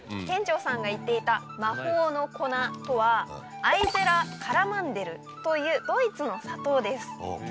店長さんが言っていた魔法の粉とはアイゼラ・カラマンデルというドイツの砂糖です。